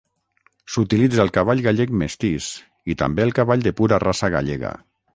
S'utilitza el cavall gallec mestís i també el cavall de pura raça gallega.